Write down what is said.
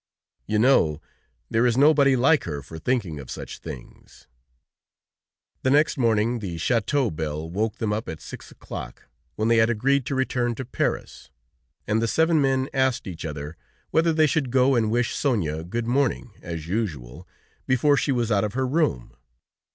You know, there is nobody like her for thinking of such things!" The next morning, the château bell woke them up at six o'clock, when they had agreed to return to Paris, and the seven men asked each other whether they should go and wish Sonia good morning, as usual, before she was out of her room.